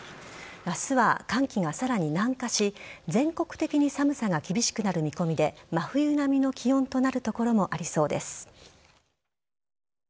明日は寒気がさらに南下し全国的に寒さが厳しくなる見込みで真冬並みの気温となる所もありそうです。